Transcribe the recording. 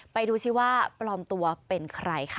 ไปดูซิว่าปลอมตัวเป็นใครค่ะ